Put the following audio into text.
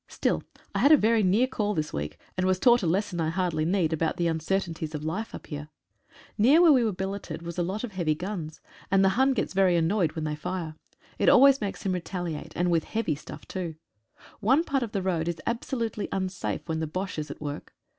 Still, I had a very near call this week, and was taught a lesson, I hardly need, about the uncertain ties of life up here. Near where we were billeted were A TERRIBLE ACCIDENT. a lot of heavy guns, and the Hun gets very annoyed when they fire. It always makes him retaliate, and with heavy stuff too. One part of the road is absolutely un safe, when the Bosche is at work.